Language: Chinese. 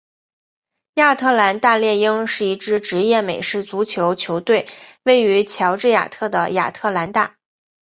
亚特兰大猎鹰是一支职业美式足球球队位于乔治亚州的亚特兰大。